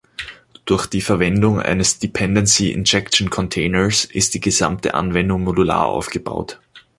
Durch die Verwendung eines Dependency Injection Containers ist die gesamte Anwendung modular aufgebaut.